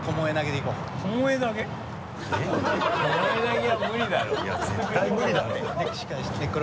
いや絶対無理だろ。